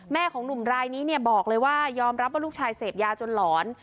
ของหนุ่มรายนี้เนี่ยบอกเลยว่ายอมรับว่าลูกชายเสพยาจนหลอน